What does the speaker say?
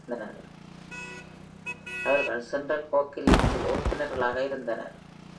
அவர்கள் central hockey லீக்கில் உறுப்பினர்களாக இருந்தனர்.